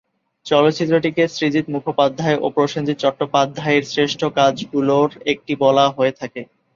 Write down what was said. চলচ্চিত্রটিকে সৃজিত মুখোপাধ্যায় ও প্রসেনজিৎ চট্টোপাধ্যায়ের শ্রেষ্ঠ কাজগুলোর একটি বলা হয়ে থাকে।